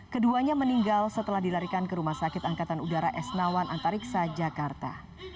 keduanya meninggal setelah dilarikan ke rumah sakit angkatan udara esnawan antariksa jakarta